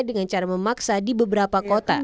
dengan cara memaksa di beberapa kota